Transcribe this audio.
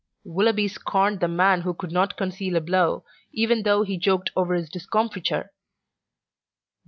Willoughby scorned the man who could not conceal a blow, even though he joked over his discomfiture.